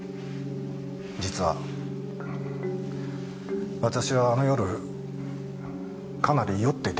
実は私はあの夜かなり酔っていてね。